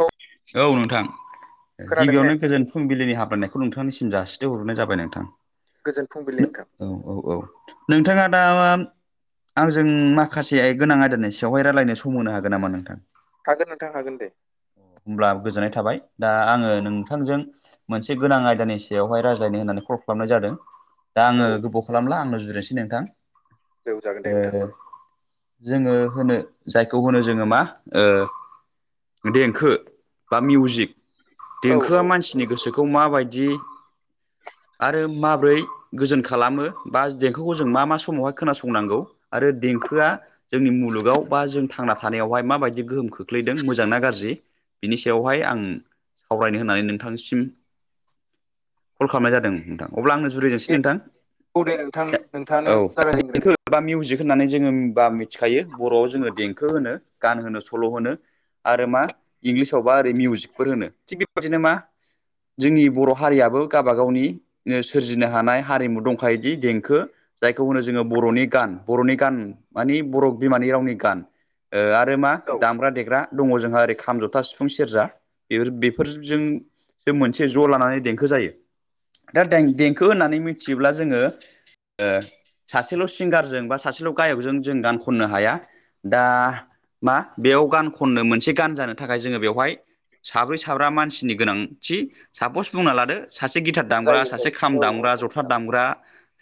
औ औ नोंथां खोनादों ने गिबियावनो गोजोन फुं फुंबिलिनि हामलाइनायखौ नोंथांनिसिन जासिदो हरनाय जाबाय नोंथां गोजोन फुंबिलि नोंथां। औ औ औ नोंथाङा दा आंजों माखासे गोनां आयदानि सायावहाय रायलायनो सम होनो हागोन नामा नोंथां हागोन नोंथां हागोन दे। हब्ला गोजोननाय थाबाय दा आङो नोंथांजों मोनसे गोनां आयदानि सायावहाय रायज्लायनो होननानै कल खालामनाय जादों दा आङो औ गोबाव खालामला आंनो जुरिनोसै नोंथां बेवजागोन दे ओ नोंथां जोङो होनो जायखौ होनो जोङो मा ओ [unintelligible] खो बा मिउजिक औ देंखोआ औ मानसिनि गोसोखौ माबायदि आरो माबोरै गोजोन खालामो बा देंखोखौ जों मा मा समावहाय खोनासंनांगौ आरो देंखोआ जोंनि मुलुगाव बा जों थांना थानायावहाय माबायदि गोहोम खोख्लैदों मोजां ना गाज्रि बिनि सायावहाय आं सावरायनो होननानै नोंथांसिम कल खालामनाय जादों नोंथां अब्ला आंनो जुरिजोंसै दे नोंथां औ दे नोंथां नोंथाङानो औ जागायजेनग्रोदो [unintelligible] बा मिउजिक होननानै जोङोा मिथिखायो बर'आव जोङो देंखो होनो गान होनो सल' होनो। आरो मा इंलिसावबा ओरै मिउजिकफोर होनो थिग बेबादिनो मा जोंनि बर' हारियाबो गावबागावनि सोरजिनो हानाय हारिमु दंखायोदि देंखो जायखौ होनो जोङो बर'नि गान बर'नि गान मानि बर' बिमानि रावनि गान। आरो मा औ दामग्रा देग्रा दङ जोंहा ओरै खाम ज था सिफुं सेरजा बेफोरजों जो मोनसे ज' लानानै देंखो जायो। दा देंखो होननानै मिथियोब्ला जोङो सासेल' सिंगारजों बा सासेल' गायकजों जों गान खननो हाया। दा मा बेयाव गान खननो मोनसे गान जानो थाखाय जोङो बेवहाय साब्रै साब्रा मानसिनि गोनांथि सापस बुंना लादो सासे गिटार दामग्रा जायो सासे जायो औ खामग्रा औ जथा नोंथां दामग्रा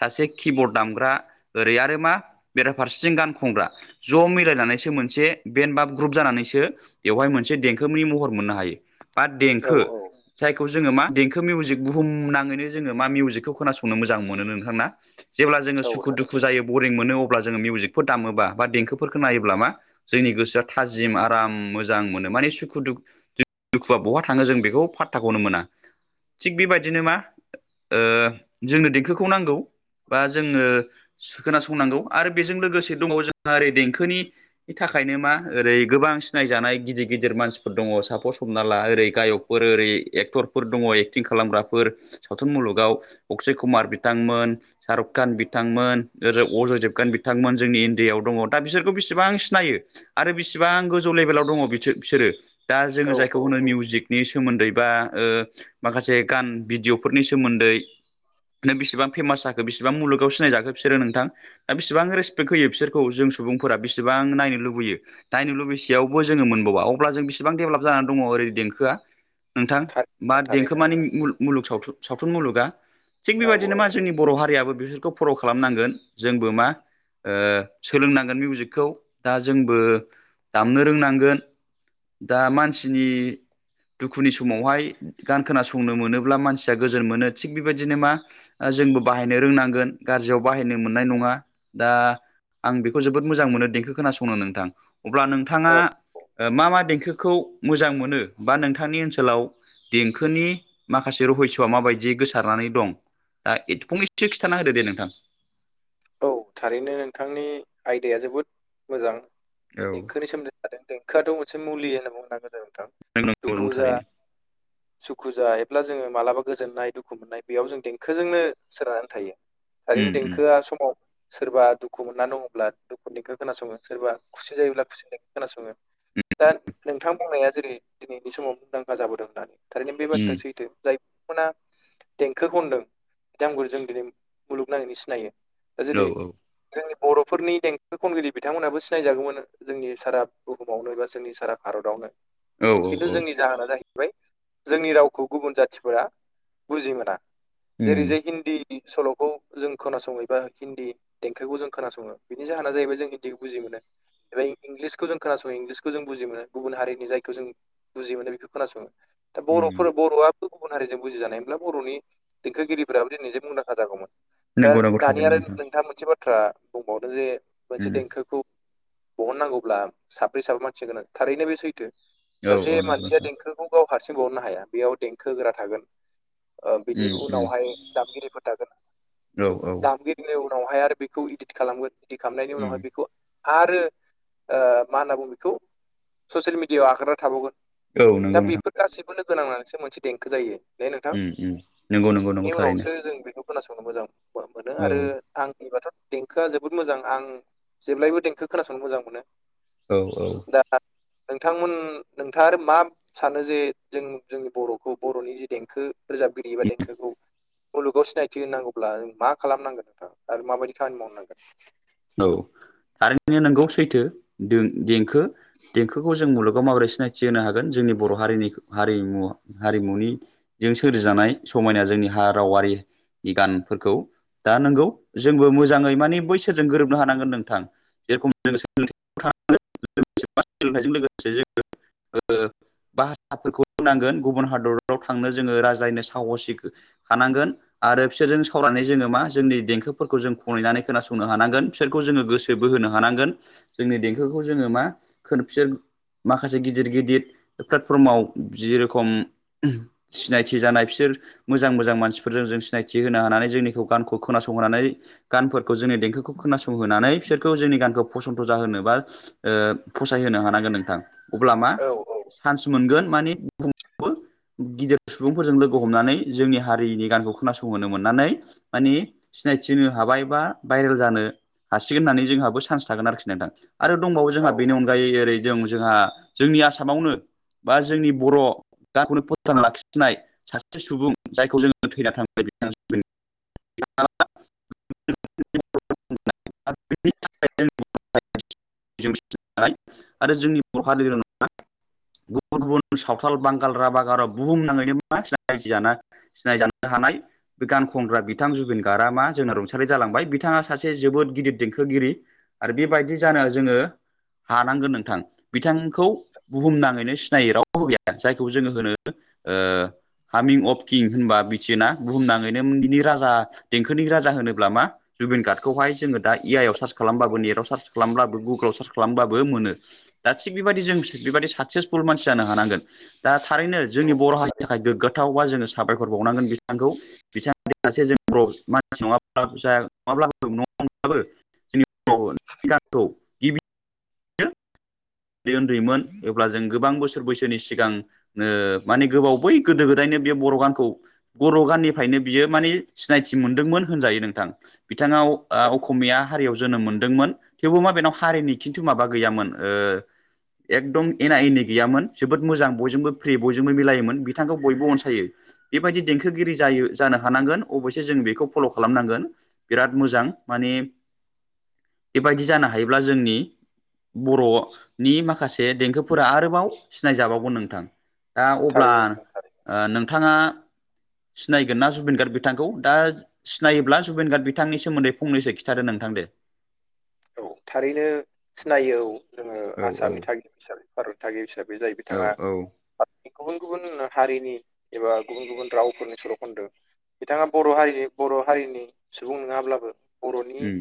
सासे किबर्ड दामग्रा ओरै आरो मा बेराफारसेथिं गान खनग्रा ज' मिलायनानैसो मोनसे बेन बा ग्रुप जानानैसो बेवहाय मोन से देंखोनि महर मोननो हायो बा औ देंखो औ जायखौ जोङो मा देंखो मिउजिक बुहुम नाङैनो जोङो मा मिउजिकखौ खोनासंनो मोजां मोनो नोंथां ना? जेब्ला जोङो औ सुखु थारैनो दुखु जायो बरिं मोनो अब्ला जोङो मिउजिकफोर दामोबा बा देंखोफोरखौ नायोब्ला मा जोंनि गोसोआ थाजिम आराम मोजां मोनो। माने सुखु दुखुआ बहा थाङो जों बेखौ फात्थाखौनो मोना। थिग बेबायदिनो मा ओ जोंनो देंखोखौ नांगौ बा जोंङो खोनासंनांगौ आरो बेजों लोगोसे दङ जोंहा ओरै देंखोनि नि थाखायनो मा ओरै गोबां सिनायजानाय गिदिर गिदिर मानसिफोर दङ सापस हमना ला ओरै गायकफोर ओरै एक्टरफोर दङ एक्टिं खालामग्राफोर सावथुन मुलुगाव अक्षय कुमार बिथांमोन शाहरुख खान बिथांमोन ओ अजयदेबगान बिथांमोन जोंनि इण्डियाआव दङ दा बिसोरखौ बेसिबां सिनायो आरो बिसिबां गोजौ लेभेलाव दङ बिसो बिसोरो दा औ जोङो औ जायखौ खुनु मिउजिकनि सोमोन्दै बा ओ माखासे गान भिडिअ'फोरनि सोमोन्दै बिसोबां फेमास जाखो बेसेबां मुलुगाव सिनायजाखो बिसोरो नोंथां? दा बेसेबां रेसपेक्ट होयो बिसोरखौ जों सुबुंफोरा बेसेबां नायनो लुबैयो। नायनो लुबैसेयावबो जोङो मोन अब्ला जों बेसेबां डेभेलप जानानै दङ ओरै देंखोआ नोंथां थारैनो मा देंखो थारैनो मानि औ मुलुग सावथुन सावथुन मुलुगा थिग औ बेबायदिनो मा जोंनि बर' हारियाबो बिसोरखौ फल' खालामनांगोन जोंबो मा ओ सोलोंनांगोन मिउजिकखौ दा जोंबो दामनो रोंनांगोन दा मानसिनि दुखुनि समावहाय गान खोनासंनो मोनोब्ला मानसिया गोजोन मोनो थिग बेबायदिनो मा जोंबो बाहायनो रोंनांगोन गाज्रियाव बाहायनो मोननाय नङा दा आं बेखौ जोबोद मोजां मोनो देंखो खोनासंनो नोंथां अब्ला औ नोंथाङा मा मा देंखोखौ मोजां मोनो बा नोंथांनि ओनसोलाव देंखोनि माखासे रहस्य'आ माबायदि गोसारनानै दं दा फंनैसो खिथाना होदो दे नोंथां। औ थारैनो नोंथांनि आयदाया जोबोद मोजां औ देंखोनि सोमोनदै आरो देंखोआथ' मोनसे मुलि होनना बुंनांगोन जाहा जादों नोंथां नंगौ नंगौ दुखु जा थारैनो सुखु जायोब्ला जोङो मालाबा गोजोन्नाय दुखु मोननाय बेयाव जों देंखोजोंनो सोनारनानै थायो। उम थारैनो उम देंखोआ सोरबा दुखु मोनना दङब्ला दुखुनिखौ खोनासङो। सोरबा खुसि जायोब्ला खु खोनासङो। दा नोंथां बुंनाया जेरै दिनैनि समाव मुंदांखा जाबोदों दा थारैनो बे उम बाथ्राया सैथो। जाय आ देंखो खनदों बिथांमोनखौ जों दिनै मुलुगनाङैनो सिनायो। दा औ जेरै जोंनि बर'फोरनि देंखो खनगिरि बिथांमोनाबो सिनायजागौमोन जोंनि सारा बुहुमावनो एबा जोंनि सारा भारतावनो। औ औ खिन्थु औ जोंनि जाहोना जाहै बाय जोंनि रावखौ गुबुन जाथिफोरा बुजि मोना। जेरै उम जे हिन्दी सल'खौ जों खोनासंहैबा हिन्दी देंखोखौ जों खोनासङो। बेनि जाहोना जाहैबाय जों हिन्दीखौ बुजि मोनो। बे इंलिसखौ जों खोनासङो इंलिसखौ जों बुजि मोनो। गुबुन हारिनि जायखौ जों बुजि मोनो बेखौ खोनासङो। दा उम बर'फोर बर'आ गुबुन हारिजों बुजिजानाय मोनब्ला बर'नि देंखोगिरिफोराबो दिनै जे मुंदांखा जागौमोन। नंगौ नंगौ दा-दानि थारैनो आरो नोंथां नोंथाङा मोनसे बाथ्रा बुंबावदों जे मोनसे उम देंखोखौ बहननांगौब्ला साब्रै साबा मानसि गोनां। थारैनो बे सैथो, औ सासे औ नंगौ नोंथां मानसिया देंखोखौ खौ हारसिं बरननो हाया। बेयाव देंखो होग्रा थागोन ओ बिनि उम उम उनावहाय दामगिरिफोर औ थागोन। दामगिरि बिनि उनावहाय आरो बेखौ इदित खालामगोन। इदिट खालामनायनि उम उनावहाय बेखौ आरो मा होनना बुङो बेखौ? ससियेल मिडियायाव आगारनाय थाबावगोन। औ दा नंगौ नोंथां बेफोर गासैबो लोगो नांनानैसो मोनसे देंखो जायो। दे नोंथां। उम उम नंगौ नंगौ नंगौ बेनि थारैनो उनावसो जों बेखौ खोनासंनो मोजां मोनो। औ आरो आंनिबाथ' देंखोआ जोबोद मोजां। आं जेब्लायबो देंखो खोनासंनो मोजां मोनो। औ औ। दा नोंथांमोन नोंथाङा आरो मा सानो जे जों-जोंनि बर'खौ, बर'नि जे देंखो रोजाब गिरि एबा देंखोखौ। मुलुगाव सिनायथि होनांगौब्ला मा खालामनांगोन? आरो माबायदि खामानि मावनांगोन? औ थारैनो नोंगौ सैथो। देंखो, देंखोखौ जों मुलुग बेखौ माबोरै सिनायथि होनो हागोन? जोंनि बर' हारिनि हारिमुवा हारिमुनिजों सोरजिजानाय समायना जोंनि हा रावारि गानफोरखौ दा नोंगौ जोंबो मोजाङै मानि बैस जों गोरोबनो हानांगोन नोंथां। जेरखम जों लोगोसे गेलेनायजों लोगोसे जोङो भाषसाफोरखौ रोंनांगोन। गुबुन हादराव थांनो जोङो राय्लायनो साहसि हानांगोन आरो बिसोरजों सावरायनानै जोङो मा जोंनि देंखोफोरखौ जों खनहैनानै खोनासं संहोनो हानांगोन। बिसोरखौ जोङो गोसो बोहोनो हानांगोन। जोंनि देंखोखौ जोङो मा बिसोर माखासे गिदिर गिदिर प्लेटफर्माव जिरखम सिनायथि जानाय बिसोर मोजां मोजां मानसिफोरजों जों सिनायथि होनो हानानै जोंनिखौ गानखौ खोनासंहोनानै गानफोर खौ जोंनि देंखोखौ खोनासंहोनानै बिसोरखौ जोंनि गानखौ फसन्थ' जाहोनो बा ओ फसायहोनो हानांगोन नोंथां। अब्ला मा औ चान्स मोनगोन मानि वबो गिदिर सुबुंफोरजों लोगो हमनानै जोंनि हारिनि गानखौ खोनासंहोनो मोननानै माने सिनायथि होनो हाबाय बा भाइरेल जानो हासिगोन होननानै जोंहाबो चान्स थागोन आरोखि नोंथां। आरो दंबावो औ जोंहा बेनि अन जाय ओरै दं जोंहा जोंनि आसामावनो बा जोंनि बर' गावखौनो फोथांना लाखिनाय सासे सुबुं जायखौ जोंङो थैना थांबाय मोनो [unintelligible] [unintelligible] आरो जोंनि बर' हारिल' नङा। गुबुन गुबुन सावथाल, बांगाल, राभा, गार' बुहुम नाङैनो मा रायजो‌ जाना सिनायजानो हानाय बे गान खनग्रा बिथां जुबिन गारग जोंना रुंसारि जालांबाय। बिथाङा सासे जोबोद गिदिर देंखोगिरि आरो बेबायदि जाना जोङो हानांगोन नोंथां बिथांखौ बुहुमनाङैनो सिनायै रावबो गैया जायखौ जोङो होनो ओ हामिं अफ किं होनबा बिटिना बुहुमनाङैनो बिनि राजा देंखोनि राजा होनोब्ला मा जुबिन गार्डखौहाय जोङो दा ए आइ आव सार्च औ खालामबाबो नेटाव सार्च खालामब्लाबो गुगोलाव सार्च खालामबाबो मोनो। दा थिग बेबायदि जों बेबायदि साक्सेसफुल मानसि जानो हानांगोन। दा थारैनो जोंनि औ बर' हारिनि थारैनो थाखाय गोग्गाथाव बा जोङो साबायखर बावनांगोन बिथांखौ बिथांनि मोनसे जों बर' मानसि नङाब्ला जाया नङाब्ला नबो जोंनि गानखौ उन्दै उन्दैमोन अब्ला जों गोबां बोसोर बैसोनि सिगां ओ माने गोबाव बै गोदो गोदायनो बे बर' गानखौ बर' गाननिफ्रायनो बियो मानि सिनायथि मोनदोंमोन होनजायो नोंथां। बिथाङाव ओ अखमिया हारियाव जोनोम मोनदोंमोन। थेवबो मा बेनाव हारिनि खिन्थु माबा गैयामोन ओ एकदम एना एनि गैयामोन जोबोद मोजां बयजोंबो फ्रि बयजोंबो मिलायोमोन बिथांखौ बयबो अनसाय बेबायदि देंखोगिरि जायो जानो हानांगोन अबयसे जों बेखौ फल' खालामनांगोन। बिराद मोजां माने बेबायदि जानो हायोब्ला जोंनि बर' नि माखासे देंखोफोरा आरोबाव सिनायजाबावगोन ओ नोंथां दा अब्ला थारैनो थारैनो ओ नोंथाङा सिनायगोन ना जुबेन गार्ड बिथांखौ दा सिनायोब्ला जुबेन गार्ड बिथांनि सोमोन्दै फंनैसो खिथादो नोंथां दे। औ थारैनो सिनायो औ। जोङो औ औ आसामनि थागिबि हिसाबै भारतनि थागिबि हिसाबै जाय औ बिथाङा। औ गुबुन गुबुन हारिनि एबा गुबुन गुबुन रावफोरनि सल' खोनदो बिथाङा बर' हारिनि बर' हारिनि सुबुं नङाब्लाबो बर'नि उम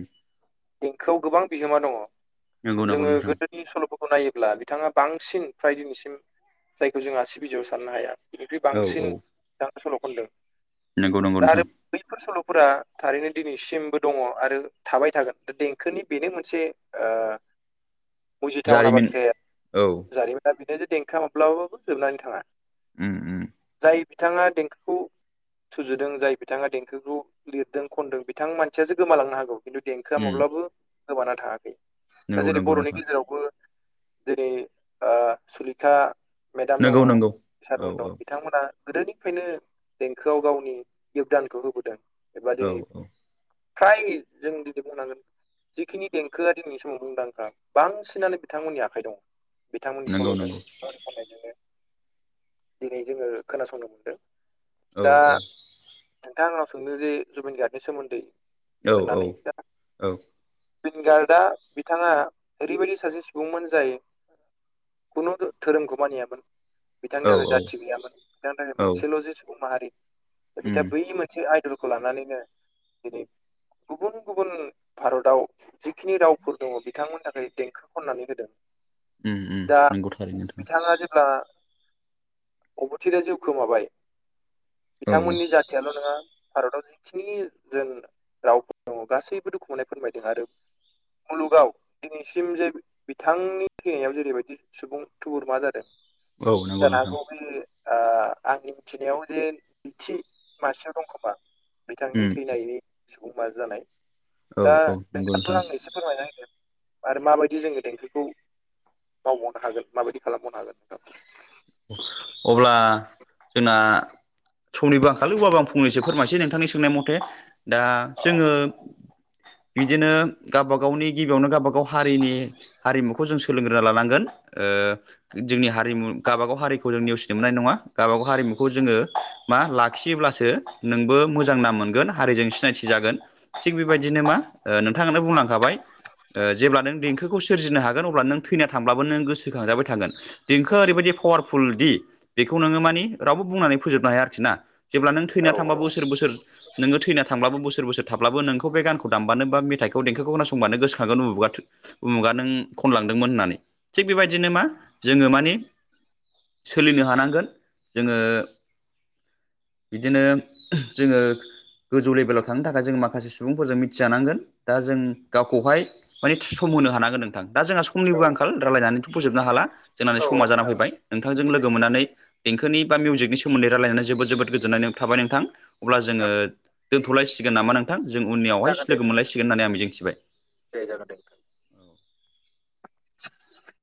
खौ गोबां बिहोमा दङ नंगौ नंगौ जोङो नोंथां गोदो नि सल'फोरखौ नायोब्ला बिथाङा बांसिन फ्राय दिनैसिम जायखौ जोंहा आसि बिजौआव साननो हाया। बिनिफ्राय औ बांसिन सल' खनदों नोंगौ नोंगौ दा आरो नोंथां। बैफोर सल'फोरा थारैनो दिनैसिमबो दङ आरो थाबाय थागोन दा खोनि बेनो मोनसे ओ जिथावना जारिमिन बाथ्राया औ जारिमिन दा बिथांनि देंखोआ माब्लाबाबो जोबनानै थाङा। उम उम जाय बिथाङा देंखोखौ सुजुदों जाय बिथाङा देंखोखौ लिरदों खनदों बिथां मानसियासो गोमालांनो हागौ। खिन्थु देंखोआ उम माब्लाबो गोबाना थाङाखै दा नंगौ जेरै नंगौ बर'नि नोंथां गेजेरावबो जेरै सुलेखा मेदाम दङ नंगौ नंगौ औ सारमोन दं औ बिथांमोना गोदोनिफ्रायनो देंखोआव गावनि यगदानखौ होबोदों एबा औ दिनै औ फ्राय जों बिदि बुंनांगोन। जिखिनि देंखोआ दिनैनि समाव मुंदांखा बांसिनानो बिथांमोननि आखाइ दङ। बिथांमोननि नंगौ सल'जों नंगौ खन्नायजोंनो दिनै जोङो खोनासंनो मोनदों। औ दा नोंथांआ आंनाव सोंदों जे जुबिन गार्गनि सोमोन्दै औ औ होननानै दा औ। जुबिन गार्गआ बिथाङा ओरैबायदि सासे सुबुंमोन जाय खुनु धोरोमखौ मानियामोन बिथांनि औ थाखाय औ जाथि गैयामोन बिथांनि थाखाय औ मोनसेल' जे सुबुं माहारि उम बिथाङा बै मोनसे मोनसे आइदलखौ लानानैनो दिनै गुबुन गुबुन भारताव जिखिनि रावफोर दङ बिथांमोननि थाखाय देंखो खननानै होदों। उम उम दा नंगौ थारैनो नोंथां बिथाङा जे होमब्ला अबथिरा जिउ खोमाबाय औ बिथांमोननि जा खाथियाल' नङा भारताव जिखिनि जों रावफोर दङ गासैबो दुखु मोननाय फोरमायदों आरो मुलुगाव दिनैसिम जे बिथांनि थैनायाव जेरैबायदि सुबुं थुबुरमा जादों औ नंगौ जानो नोंथां हागौ जोंनि ओ आंनि मिथिनायाव जे नैथि मासेयाव दं खोमा बिथांनि उम थैनायनि समा जानाय औ दा औ नंगौ नोंथाङाबो नोंथां आंनो एसे फोरमायना होदो आरो माबायदि जोङो देंखोखौ मावबावनो हागोन माबायदि खालामबावनो हागोन नोंथां अब्ला जोंना समनिबो आंखाल होमबाबो आं फंनैसो फोरमायसै नोंथांनि सोंनाय मथे दा जोङो बिदिनो गावबा गावनि गिबियावनो गावबागाव हारिनि हारिमुखौ जों सोलोंग्रोना लानांगोन ओ जोंनि हारिमु गाबागाव हारिखौ जों नेवसिनो मोननाय नङा गावबागाव हारिमुखौ जोङो मा लाखियोब्लासो नोंबो मोजां नाम मोनगोन हारिजों सिनायथि जागोन थिग बेबायदिनो मा ओ नोंथांआनो बुंलांखाबाय ओ जेब्ला नों देंखोखौ सोरजिनो हागोन अब्ला नों थैना थांब्लाबो नों गोसोखांजाबाय थागोन देंखोआ ओरैबायदि पावारफुल दि बेखौ नोङो मानि रावबो बुंनानै फोजोबनो हाया आरोखि ना जेब्ला नों थैना औ औ थांबा बोसोर बोसोर नोङो थैनानै थांब्लाबो बोसोर बोसोर थाब्लाबो नोंखौ बे गानखौ दामबानो बा मेथाइखौ देंखोखौ खोनासंबानो गोसो खांगोन उमुगा उमुगा नों खनलांदोंमोन होननानै थिग बेबायदिनो मा जोङो माने सोलिनो हानांगोन जोङो बिदिनो जोङो गोजौ लेभेलाव थांनो थाखाय जों माखासे सुबुंफोरजों मिथिजानांगोन दा जों गावखौहाय माने थि सम होनो हानांगोन नोंथां दा जोंहा औ समनिबो आंखाल रायलायनानैथ' फोजोबनो हाला जोंना औ नै समा जाना नोंथां फैबाय नोंथांजों लोगो मोननानै देंखोनि बा मिउजिदनि सोमोनदै रायलायनानै जोबोद जोबोद गोजोन्नाय थाबाय नोंथां अब्ला जोङो दोनथ'लायसिगोन नामा नोंथां जों उननियावहाय जागोन दे लोगो नोंथां मोनलायसिगोन होननानै आं मिजिंथिबाय दे जागोन दे [inaudible]